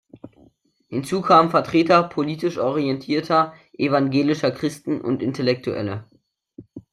Hinzu kamen Vertreter politisch orientierter evangelischer Christen und Intellektuelle.